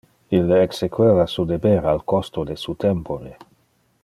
Ille exequeva su deber al costo de su tempore.